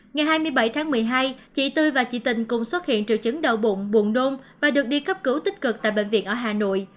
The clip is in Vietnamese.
ngày hai mươi bảy tháng một mươi hai chị tư và chị tình cùng xuất hiện triệu chứng đau bụng buồn nôm và được đi cấp cứu tích cực tại bệnh viện ở hà nội